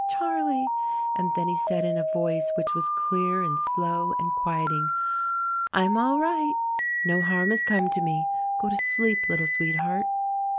Charlie," and then he said in a voice which was clear and slow and quiet ing, "I am all right; no harm has come to me; go to sleep little sweetheart."